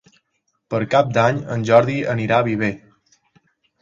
Per Cap d'Any en Jordi anirà a Viver.